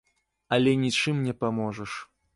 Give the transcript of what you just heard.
Але нічым не паможаш.